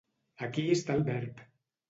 Aquí està el verb.